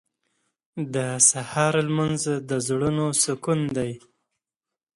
• د سهار لمونځ د زړونو سکون دی.